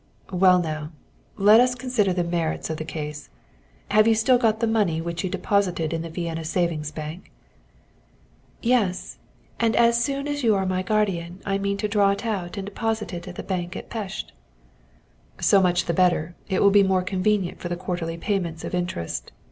"Well, now, let us consider the merits of the case. Have you still got the money which you deposited in the Vienna savings bank?" "Yes, and as soon as you are my guardian, I mean to draw it out and deposit it in the bank at Pest." "So much the better, it will be more convenient for the quarterly payments of interest.